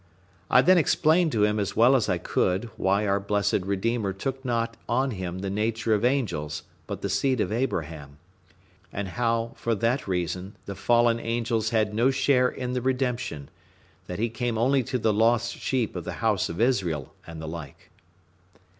I then explained to him as well as I could why our blessed Redeemer took not on Him the nature of angels but the seed of Abraham; and how, for that reason, the fallen angels had no share in the redemption; that He came only to the lost sheep of the house of Israel, and the like.